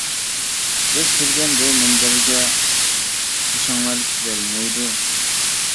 بىز كىرگەن بۇ مۇنبەرگە، قاشاڭلار كىرەلمەيدۇ.